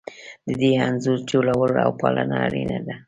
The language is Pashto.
د دې انځور جوړول او پالنه اړینه ده.